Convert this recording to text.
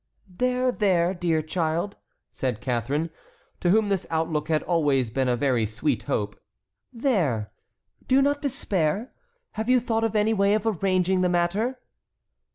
"There! there! dear child," said Catharine, to whom this outlook had always been a very sweet hope, "there! do not despair. Have you thought of any way of arranging the matter?"